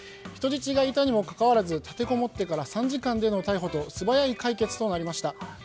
人質がいたにもかかわらず立てこもってから３時間での逮捕と素早い解決となりました。